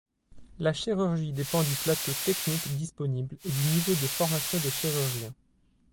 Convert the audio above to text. La chirurgie dépend du plateau technique disponible et du niveau de formation des chirurgiens.